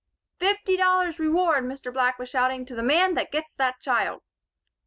"Fifty dollars reward," Mr. Black was shouting, "to the man that gets that child!"